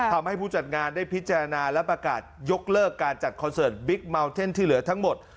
ผู้จัดงานได้พิจารณาและประกาศยกเลิกการจัดคอนเสิร์ตบิ๊กเมาเท่นที่เหลือทั้งหมด